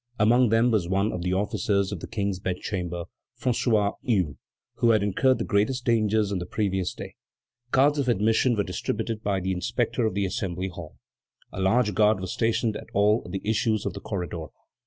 Among them was one of the officers of the King's bedchamber, François Hue, who had incurred the greatest dangers on the previous day. Cards of admission were distributed by the inspector of the Assembly hall. A large guard was stationed at all the issues of the corridor.